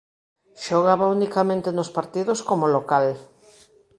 Xogaba unicamente nos partidos como local.